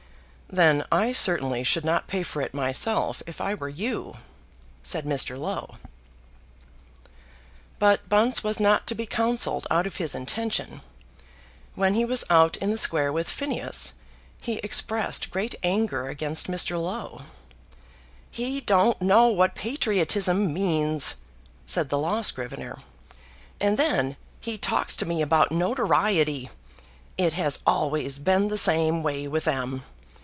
"Then I certainly should not pay for it myself if I were you," said Mr. Low. But Bunce was not to be counselled out of his intention. When he was out in the square with Phineas he expressed great anger against Mr. Low. "He don't know what patriotism means," said the law scrivener. "And then he talks to me about notoriety! It has always been the same way with 'em.